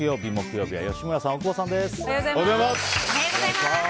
本日、木曜日のゲストは吉村さん、大久保さんです。